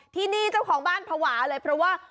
ที่นี่เจ้าของบ้านภาวะเลยเพราะว่า